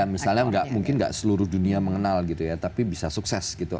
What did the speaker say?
misalnya mungkin nggak seluruh dunia mengenal gitu ya tapi bisa sukses gitu